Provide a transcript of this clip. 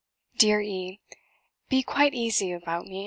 "Dear E , Be quite easy about me.